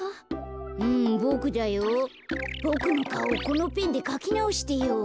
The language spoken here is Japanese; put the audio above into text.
ボクのかおこのペンでかきなおしてよ。